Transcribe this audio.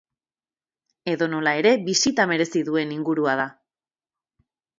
Edonola ere, bisita merezi duen ingurua da.